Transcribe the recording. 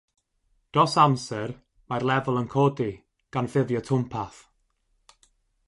Dros amser, mae'r lefel yn codi, gan ffurfio twmpath.